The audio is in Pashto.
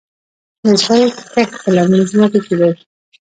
د زغرو کښت په للمي ځمکو کې دی.